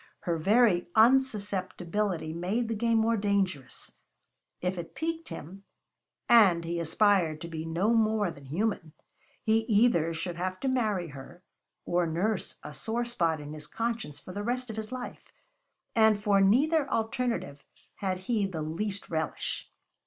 Her very unsusceptibility made the game more dangerous; if it piqued him and he aspired to be no more than human he either should have to marry her, or nurse a sore spot in his conscience for the rest of his life; and for neither alternative had he the least relish.